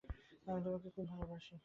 আমি তোমাকে খুব খুব ভালোবাসি।